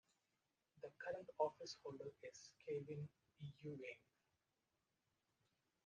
The current office holder is Kevin Yeung.